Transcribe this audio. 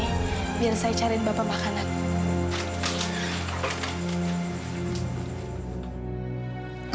biar saya cari bapak makanan